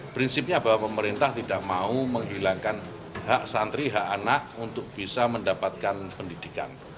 prinsipnya bahwa pemerintah tidak mau menghilangkan hak santri hak anak untuk bisa mendapatkan pendidikan